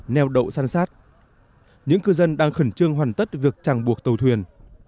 nheo đậu săn sát những cư dân đang khẩn trương hoàn tất việc trăng buộc tàu thuyền